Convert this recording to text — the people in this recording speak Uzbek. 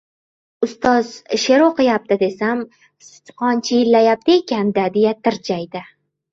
— Ustoz she’r o‘qiyapti, desam, sichqon chiyillayapti ekan-da! — deya tirjaydi.